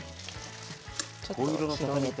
ちょっと広げて。